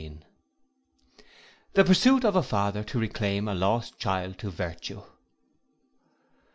The pursuit of a father to reclaim a lost child to virtue.